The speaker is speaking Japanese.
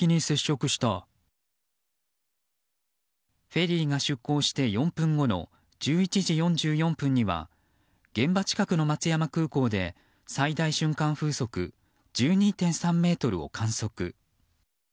フェリーが出港して４分後の１１時４４分には現場近くの松山空港で最大瞬間風速１２．３メートルを観測。